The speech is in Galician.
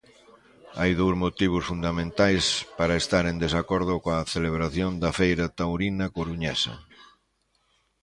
Hai dous motivos fundamentais para estar en desacordo coa celebración da feira taurina coruñesa.